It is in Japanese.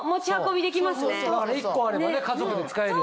１個あれば家族で使えるよね。